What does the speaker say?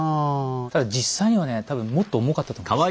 ただ実際にはね多分もっと重かったと思います。